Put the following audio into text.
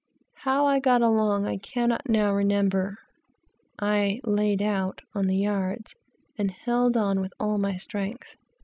How I got along, I cannot now remember. I "laid out" on the yards and held on with all my strength.